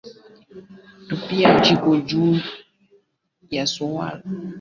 tupia jicho juu ya suala la upigaji marufuku